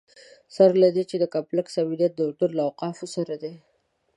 سره له دې چې د کمپلکس امنیت د اردن له اوقافو سره دی.